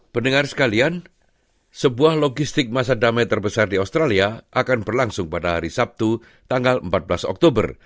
pendengar sekalian sebuah logistik masa damai terbesar di australia akan berlangsung pada hari sabtu tanggal empat belas oktober